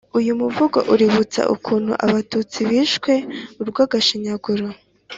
uyu muvugo uributsa ukuntu abatutsi bishwe urwagashinyaguro